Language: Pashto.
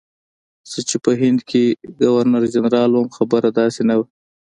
زه چې په هند کې ګورنرجنرال وم خبره داسې نه وه.